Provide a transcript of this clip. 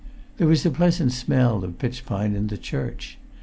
There was a pleasant smell of pitch pine in the church.